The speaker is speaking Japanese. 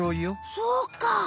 そうか。